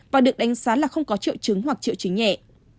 và được đánh giá là không có triệu chứng hoặc triệu chứng nhẹ